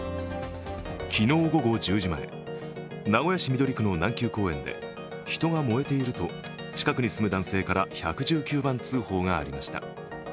昨日午後１０時前、名古屋市緑区の南休公園で人が燃えていると近くに住む男性から１１９番通報がありました。